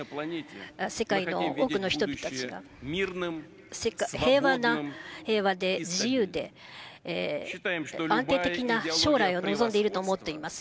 世界の多くの人たちが平和で自由で安定的な将来を望んでいると思っています。